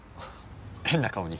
変な顔に。